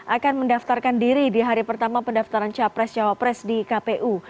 akan mendaftarkan diri di hari pertama pendaftaran capres cawapres di kpu